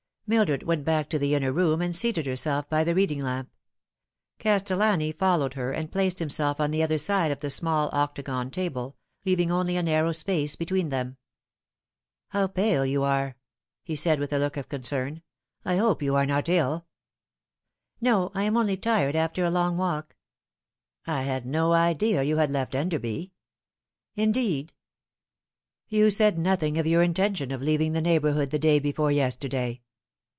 Mildred went back to the inner room, and seated herself by the reading lamp. Castellani followed her, and placed himself on the other side of the small octagon table, leaving only a narrow space between them. " How pale you are !" he said, with a look of concern. " I hope you are not ill ?"" No, I am only tired after a long walk." " I had no idea you had left Enderby." "Indeed!" " You said nothing of your intention of leaving the neighbour hood the day before yesterday."